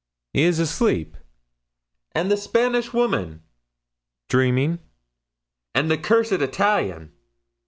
"He is asleep." "And the Spanish woman?" "Dreaming." "And the cursed Italian?"